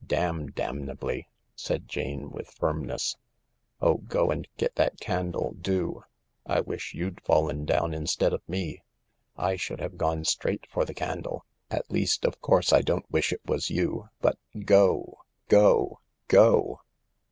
"Damn damnably," said Jane with firmness. "Oh, go and get that candle, do. I wish you'd fallen down instead of me. / should have gone straight for the candle. At least, of course, I don't wish it was you — but go, go, go